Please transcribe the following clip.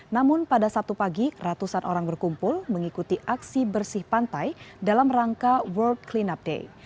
namun pada sabtu pagi ratusan orang berkumpul mengikuti aksi bersih pantai dalam rangka world clean up day